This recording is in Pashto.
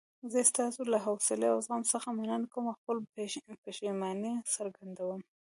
زه ستاسو له حوصلې او زغم څخه مننه کوم او خپله پښیماني څرګندوم.